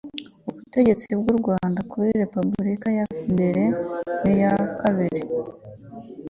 ubutegetsi bw u rwanda kuri repubulika ya mbere n iya kabiri